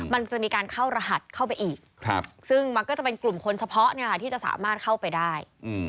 มันจะมีการเข้ารหัสเข้าไปอีกซึ่งมันก็จะเป็นกลุ่มคนเฉพาะที่จะสามารถเข้าไปได้